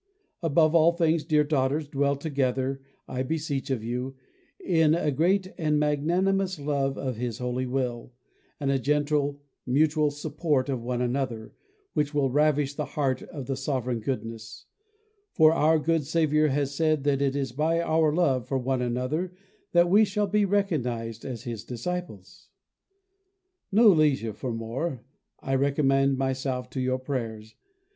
Above all things, dear daughters, dwell together, I beseech of you, in a great and magnanimous love of His holy will, and a gentle mutual support of one another, which will ravish the HEART of the sovereign Goodness: for our good Saviour has said that it is by our love for one another that we shall be recognized as His disciples. No leisure for more I recommend myself to your prayers.